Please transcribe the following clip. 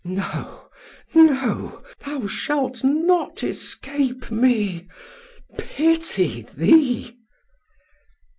No no thou shalt not escape me. Pity thee!"